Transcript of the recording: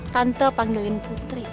tante panggilin putri